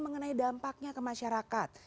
mengenai dampaknya ke masyarakat